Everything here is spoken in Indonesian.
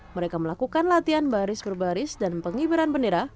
mereka melakukan latihan baris per baris dan pengibiran bendera